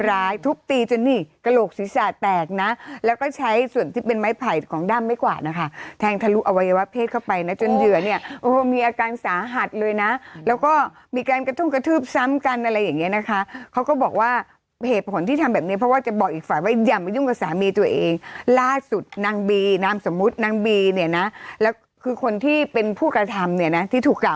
ร้ายทุบตีจนนี่กระโหลกศีรษะแตกนะแล้วก็ใช้ส่วนที่เป็นไม้ไผ่ของด้ามไม้กวาดนะคะแทงทะลุอวัยวะเพศเข้าไปนะจนเหยื่อเนี่ยโอ้โหมีอาการสาหัสเลยนะแล้วก็มีการกระทุ่มกระทืบซ้ำกันอะไรอย่างเงี้ยนะคะเขาก็บอกว่าเหตุผลที่ทำแบบนี้เพราะว่าจะบอกอีกฝ่ายว่าอย่ามายุ่งกับสามีตัวเองล่าสุดนางบีนามสมมุตินางบีเนี่ยนะแล้วคือคนที่เป็นผู้กระทำเนี่ยนะที่ถูกกล่า